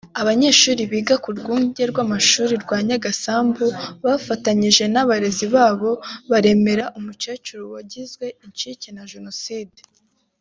Abanyeshuri biga ku rwunge rw’amashuri rwa Nyagasambu bafatanyije n’abarezi babo baremera umukecuru wagizwe incike na Jenoside